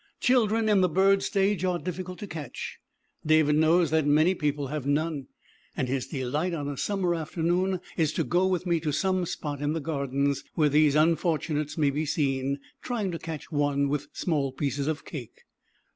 Children in the bird stage are difficult to catch. David knows that many people have none, and his delight on a summer afternoon is to go with me to some spot in the Gardens where these unfortunates may be seen trying to catch one with small pieces of cake.